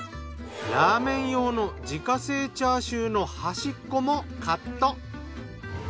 ラーメン用の自家製チャーシューの端っこもカット。